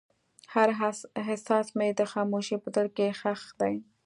هر احساس مې د خاموشۍ په زړه کې ښخ دی.